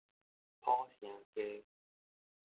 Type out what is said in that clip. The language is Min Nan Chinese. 浦城街